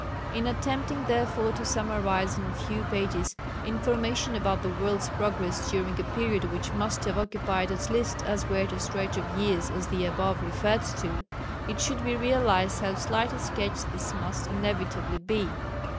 In attempting, therefore, to summarize in a few pages information about the world's progress during a period which must have occupied at least as great a stretch of years as that above referred to, it must be realized how slight a sketch this must inevitably be.